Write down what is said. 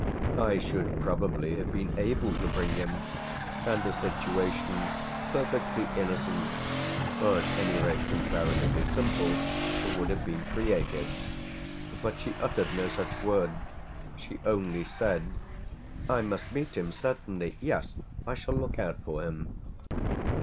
I should probably have been able to bring him, and a situation perfectly innocent or at any rate comparatively simple would have been created. But she uttered no such word; she only said: "I must meet him certainly; yes, I shall look out for him!"